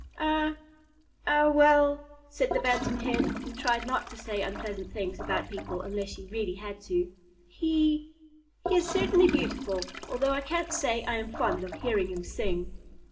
"Er er well," said the Bantam Hen, who tried not to say unpleasant things about people unless she really had to, "he he is certainly beautiful, although I can't say that I am fond of hearing him sing."